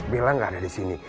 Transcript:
bella gak ada disini